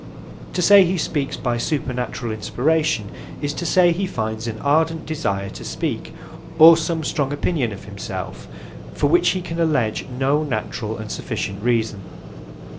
To say he speaks by supernaturall Inspiration, is to say he finds an ardent desire to speak, or some strong opinion of himself, for which he can alledge no naturall and sufficient reason.